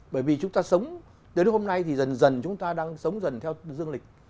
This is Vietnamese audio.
bởi vì chúng ta sống đến hôm nay thì dần dần chúng ta đang sống dần theo dương lịch